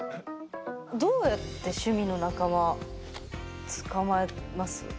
どうやって趣味の仲間捕まえます？